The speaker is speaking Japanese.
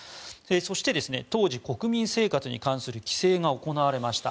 そして、当時、国民生活に関する規制が行われました。